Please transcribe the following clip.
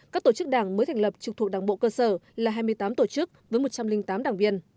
các tổ chức đảng mới thành lập trực thuộc đảng bộ cơ sở là hai mươi tám tổ chức với một trăm linh tám đảng viên